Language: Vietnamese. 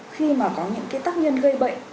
khi mà có những cái tác nhân gây bệnh